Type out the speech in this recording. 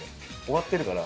終わってるから。